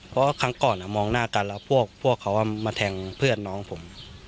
เพราะว่าครั้งก่อนมองหน้ากันแล้วพวกเขามาแทงเพื่อนน้องผม